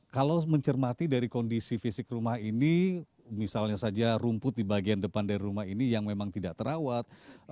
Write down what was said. kalau mencermati dari kondisi fisik rumah ini misalnya saja rumput di bagian depan dari rumah ini yang memang tidak terawat